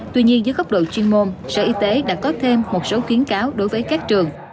tuy nhiên dưới góc độ chuyên môn sở y tế đã có thêm một số kiến cáo đối với các trường